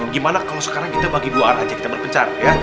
gimana kalau sekarang kita bagi dua arah aja kita berpencar